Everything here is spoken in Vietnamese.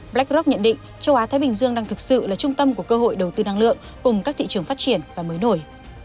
blackrock nhận định châu á thái bình dương đang thực sự là trung tâm của cơ hội đầu tư năng lượng cùng các thị trường phát triển và mới nổi